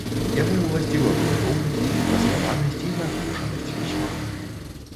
Яму ўласціва грунтоўнасць, раскаванасць і нязмушанасць пісьма.